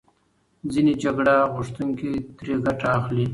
ځینې جګړه غوښتونکي ترې ګټه اخلي.